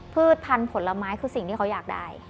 พืชพันธุ์ผลไม้คือสิ่งที่เขาอยากได้